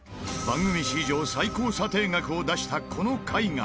番組史上最高査定額を出したこの絵画。